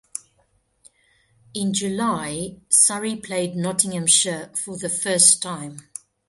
I July, Surrey played Nottinghamshire for the first time.